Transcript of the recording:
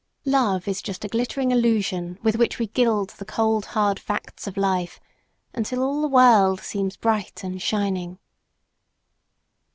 Love is just a glittering illusion with which we gild the hard, cold facts of life until all the world seems bright and shining!